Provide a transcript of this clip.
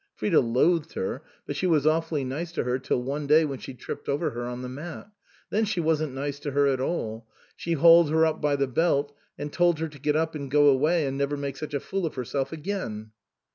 Frida loathed her, but she was awfully nice to her till one day when she tripped over her on the mat. Then she wasn't nice to her at all ; she hauled her up by the belt, and told her to get up and go away and never make such a fool of herself again."